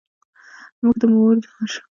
مور د ماشوم د ورځني مهالوېش څاري.